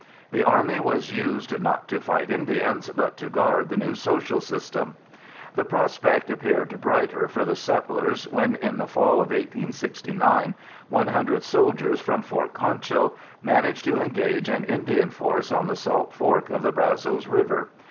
The Army was used, not to fight Indians, but to guard the new social system. The prospect appeared brighter for the settlers when in the Fall of 1869, one hundred soldiers from Fort Concho managed to engage an Indian force on the Salt Fork of the Brazos River.